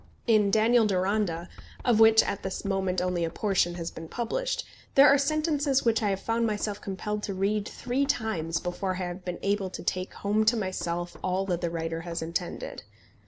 In Daniel Deronda, of which at this moment only a portion has been published, there are sentences which I have found myself compelled to read three times before I have been able to take home to myself all that the writer has intended.